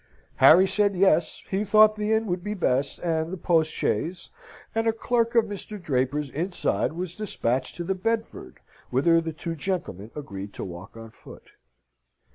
Harry said yes, he thought the inn would be best; and the postchaise, and a clerk of Mr. Draper's inside, was despatched to the Bedford, whither the two gentlemen agreed to walk on foot.